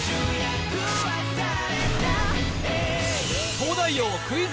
東大王クイズ